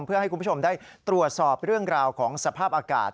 เพื่อให้คุณผู้ชมได้ตรวจสอบเรื่องราวของสภาพอากาศ